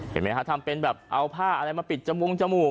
เห็นไหมคะเอาผ้าอะไรมาปิดจมูก